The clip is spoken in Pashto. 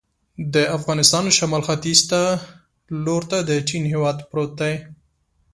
د افغانستان شمال ختیځ ته لور ته د چین هېواد پروت دی.